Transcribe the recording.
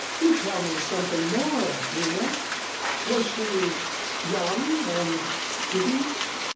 [Illustration: "'Do tell me something more, Nina. Was she young and pretty?